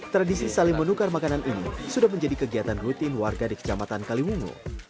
tradisi saling menukar makanan ini sudah menjadi kegiatan rutin warga di kecamatan kaliwungu